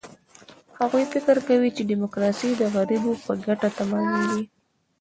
هغوی فکر کوي، ډیموکراسي د غریبو په ګټه تمامېږي.